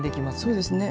そうですね。